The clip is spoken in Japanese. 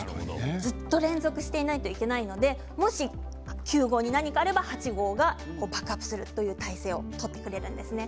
ずっと連続してないといけないのでもし９号に何かあれば８号がバックアップするという体制を取ってくれるんですね。